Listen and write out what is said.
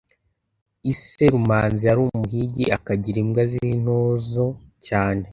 iSe Rumanzi yari umuhigi akagira imbwa z’intozo cyane